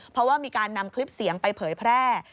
เพราะว่ามีการนำคลิปเสียงไปเผยแพร่